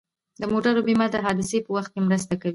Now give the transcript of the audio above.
د موټرو بیمه د حادثې په وخت مرسته کوي.